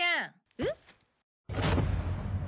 えっ？